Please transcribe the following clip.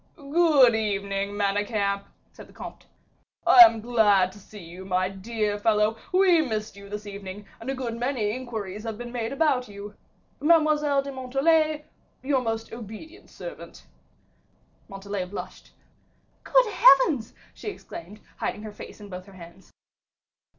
"Good evening, Manicamp," said the comte, "I am glad to see you, my dear fellow; we missed you this evening, and a good many inquiries have been made about you. Mademoiselle de Montalais, your most obedient servant." Montalais blushed. "Good heavens!" she exclaimed, hiding her face in both her hands.